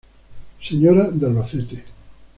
Señora de Albacete.